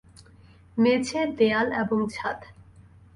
মেঝে, দেয়াল এবং ছাদ।